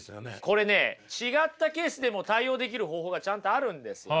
これね違ったケースでも対応できる方法がちゃんとあるんですよ。